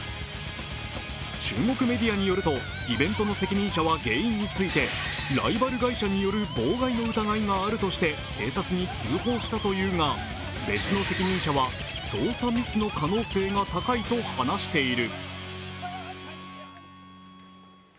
中国メディアによると、イベントの責任者は原因についてライバル会社による妨害の疑いがあるとして警察に通報したというが別の責任者は操作ミスの可能性が高いと話している。